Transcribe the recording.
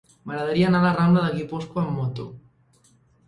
M'agradaria anar a la rambla de Guipúscoa amb moto.